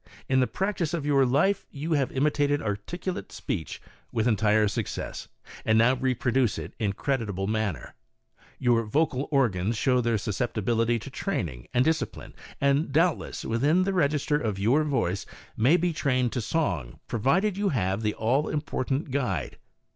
In the practice of your life you have imitated articulate speech with entire success, and now reproduce it in a creditable manner. Your vocal organs show their susceptibility to training and discipline, and doubtless, within the register of your voice, may be trained to song, provided you have the all important guide.